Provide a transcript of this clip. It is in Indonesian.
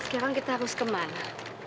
sekarang kita harus kemana